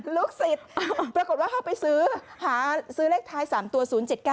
ลูกศิษย์ปรากฏว่าเขาไปซื้อหาซื้อเลขท้าย๓ตัว๐๗๙